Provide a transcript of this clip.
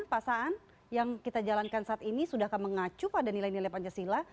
pak saan yang kita jalankan saat ini sudahkah mengacu pada nilai nilai pancasila